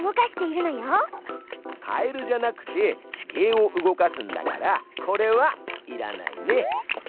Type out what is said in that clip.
カエルじゃなくて地形を動かすんだからこれはいらないね。